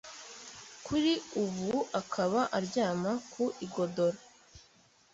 kuri ubu akaba aryama ku igodora